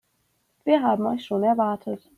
Wir haben euch schon erwartet.